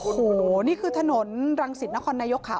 โอ้โหนี่คือถนนรังสิตนครนายกค่ะ